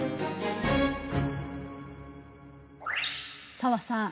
紗和さん